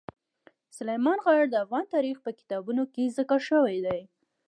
سلیمان غر د افغان تاریخ په کتابونو کې ذکر شوی دي.